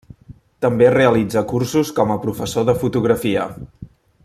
També realitza cursos com a professor de fotografia.